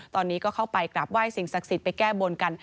ตอนนี้ก็เข้าไปกราบไห้สิ่งศักดิ์สิทธิ์ไปแก้บนกัน